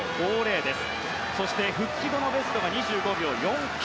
そして、復帰後のベストが２５秒４９。